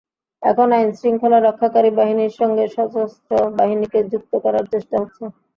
এখন আইনশৃঙ্খলা রক্ষাকারী বাহিনীর সঙ্গে সশস্ত্র বাহিনীকে যুক্ত করার চেষ্টা হচ্ছে।